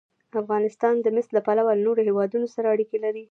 افغانستان د مس له پلوه له نورو هېوادونو سره اړیکې لري.